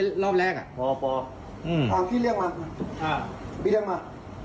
อ่าพี่เรียกมาพี่เรียกมา